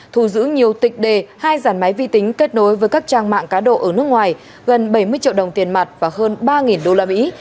thù giữ nhiều tịch đề hai giàn máy vi tính kết nối với các trang mạng cá độ ở nước ngoài gần bảy mươi triệu đồng tiền mặt và hơn ba đô la mỹ